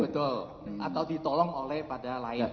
betul atau ditolong oleh pada layar